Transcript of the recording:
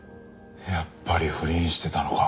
やっぱり不倫してたのか。